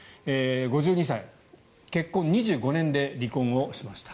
５２歳、結婚２５年で離婚をしました。